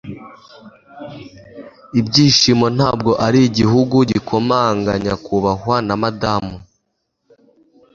ibyishimo ntabwo ari igihugu gikomanga, nyakubahwa na madamu